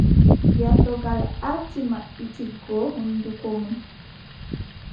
Gertogal aarti maɓɓititgo hunnduko mun.